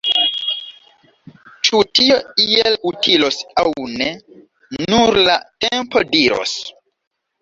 Ĉu tio iel utilos aŭ ne, nur la tempo diros!